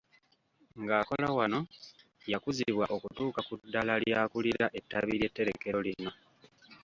Ng'akola wano, yakuzibwa okutuuka ku ddaala ly'akulira ettabi ly'eterekero lino